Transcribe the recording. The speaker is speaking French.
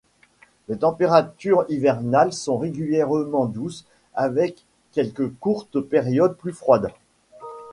Les températures hivernales sont régulièrement douces avec quelques courtes périodes plus froides.